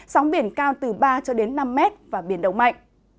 sóng biển cao từ ba năm m và biển động mạnh